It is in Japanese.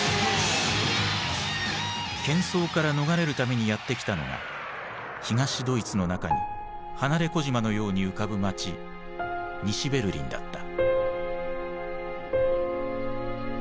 けん騒から逃れるためにやって来たのが東ドイツの中に離れ小島のように浮かぶ街西ベルリンだった。